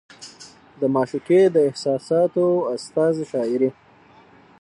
د معشوقې د احساساتو استازې شاعري